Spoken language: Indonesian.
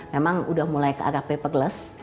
memang udah mulai ke arah paperless